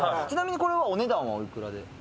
ちなみにこれはお値段はおいくらで？